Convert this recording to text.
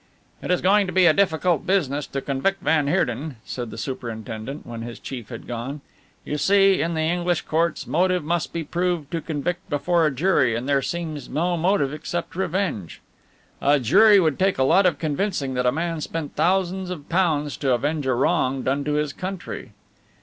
"It is going to be a difficult business to convict van Heerden," said the superintendent when his chief had gone, "you see, in the English courts, motive must be proved to convict before a jury, and there seems no motive except revenge. A jury would take a lot of convincing that a man spent thousands of pounds to avenge a wrong done to his country."